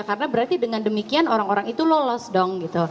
karena berarti dengan demikian orang orang itu lolos dong